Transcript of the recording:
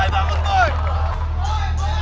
tidak ada apa apa